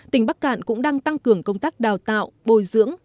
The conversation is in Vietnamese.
tỉnh bắc cạn cũng đang tăng cường công tác đào tạo bồi dưỡng